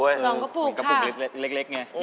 สองกระปุกกระปุกเล็กไง